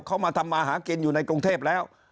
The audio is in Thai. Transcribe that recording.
เขามาทำมาหากินอยู่ในกรุงเทพแล้ว